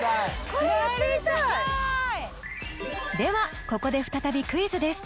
これやってみたいではここで再びクイズです